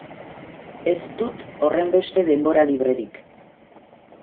Ez dut horrenbeste denbora librerik.